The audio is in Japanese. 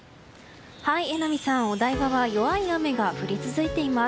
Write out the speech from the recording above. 榎並さん、お台場は弱い雨が降り続いています。